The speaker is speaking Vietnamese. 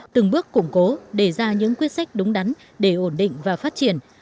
từng bước củng cố đề ra những quyết sách đúng đắn để ổn định và phát triển